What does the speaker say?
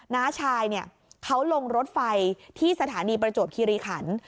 น้าชายเขาลงรถไฟที่สถานีประจวบคิริขัน